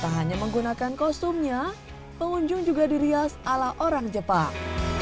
tak hanya menggunakan kostumnya pengunjung juga dirias ala orang jepang